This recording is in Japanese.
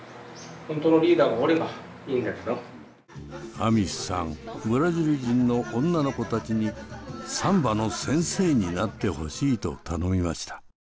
アミシさんブラジル人の女の子たちにサンバの先生になってほしいと頼みました。